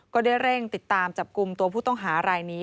ก็ได้เร่งติดตามจับกลุ่มตัวผู้ต้องหารายนี้